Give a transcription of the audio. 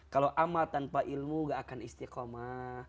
kalau amal tanpa ilmu gak akan istiqomah